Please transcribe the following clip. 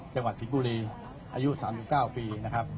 จังหวัดสิงห์บุรีอายุ๓๙ปี